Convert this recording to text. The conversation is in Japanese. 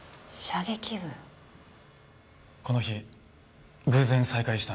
この日偶然再会したんです。